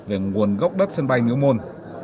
về nguồn gốc đất sân bay miếu môn